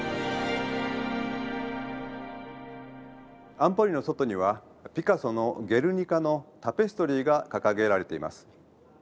安保理の外にはピカソの「ゲルニカ」のタペストリーが掲げられています。